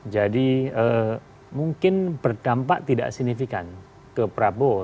jadi mungkin berdampak tidak signifikan ke prabowo